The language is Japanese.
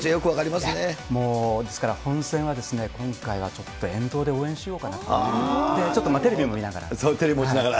もうですから、本選は今回はちょっと沿道で応援しようかなと、ちょっとテレビもテレビ持ちながら。